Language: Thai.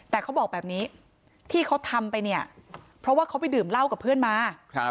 แต่เขาบอกแบบนี้ที่เขาทำไปเนี่ยเพราะว่าเขาไปดื่มเหล้ากับเพื่อนมา